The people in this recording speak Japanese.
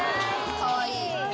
かわいい。